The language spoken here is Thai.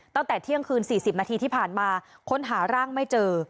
ตั้งแต่เที่ยงคืน๔๐นาทีที่ผ่านมาค้นหาร่างไม่เจอ